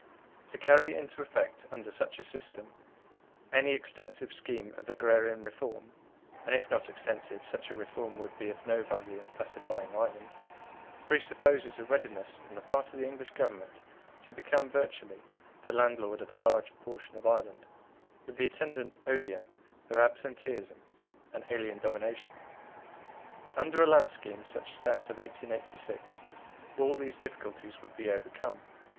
To carry into effect under such a system any extensive scheme of agrarian reform (and if not extensive such a reform would be of no value in pacifying Ireland) presupposes a readiness on the part of the English Government to become virtually the landlord of a large portion of Ireland, with the attendant odium of absenteeism and alien domination. Under a land scheme such as that of 1886, all these difficulties would be overcome.